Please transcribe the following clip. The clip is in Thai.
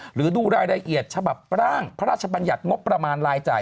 หรือดูรายละเอียดฉบับร่างพระราชบัญญัติงบประมาณรายจ่าย